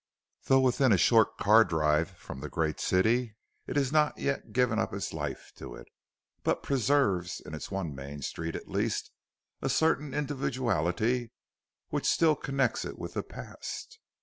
Though within a short car drive from the great city, it has not yet given up its life to it, but preserves in its one main street at least, a certain individuality which still connects it with the past.